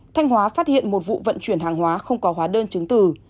thanh hóa phát hiện một vụ vận chuyển hàng hóa không có hóa đơn chứng từ